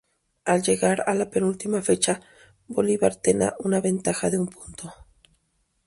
Al llegar a la penúltima fecha, Bolivar tena una ventaja de un punto.